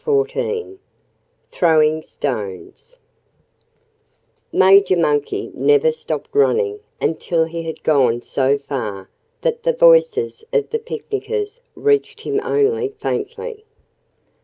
XIV Throwing Stones Major Monkey never stopped running until he had gone so far that the voices of the picnickers reached him only faintly.